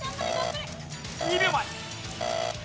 ２秒前。